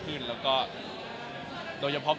คือแฟนคลับเขามีเด็กเยอะด้วย